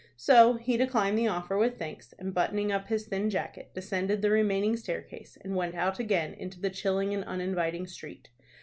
So he declined the offer with thanks, and, buttoning up his thin jacket, descended the remaining staircase, and went out again into the chilling and uninviting street.